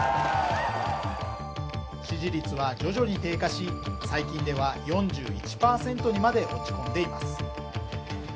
支持率は徐々に低下し、最近では４１％にまで落ち込んでいます。